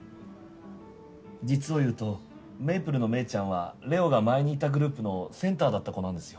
実を言うとめいぷるのメイちゃんはれおが前にいたグループのセンターだった子なんですよ